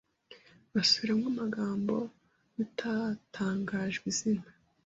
Basubiramo amagambo y'utatangajwe izina